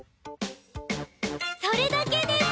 それだけです！